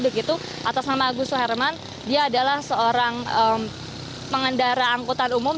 begitu atas nama agus suherman dia adalah seorang pengendara angkutan umum